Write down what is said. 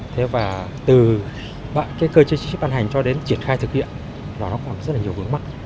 từ cơ chế chính xác ban hành cho đến triển khai thực hiện nó còn rất nhiều vướng mắc